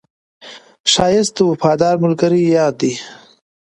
ښایست د وفادار ملګري یاد دی